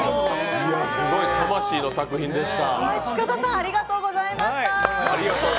すごい、魂の作品でした。